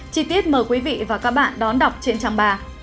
chi tiết mời quý vị và các bạn đón đọc trên trang ba